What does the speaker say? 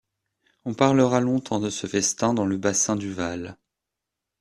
On parlera longtemps de ce festin dans le bassin du Vaal.